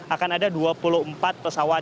akan ada dua puluh empat pesawat